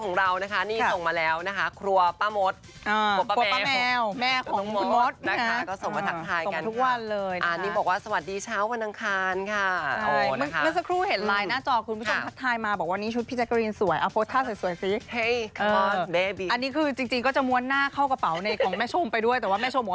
ของแม่ชมไปด้วยแต่แม่ชมผมว่าไม่ให้ไปนะ